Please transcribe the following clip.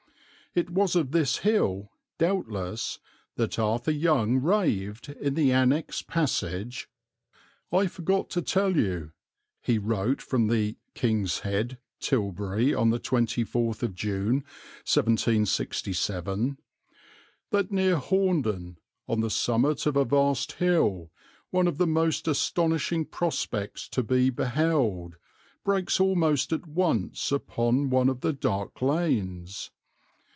It was of this hill, doubtless, that Arthur Young raved in the annexed passage: "I forgot to tell you," he wrote from the "King's Head," Tilbury, on 24 June, 1767, "that near Horndon, on the summit of a vast hill, one of the most astonishing prospects to be beheld, breaks almost at once upon one of the dark lanes.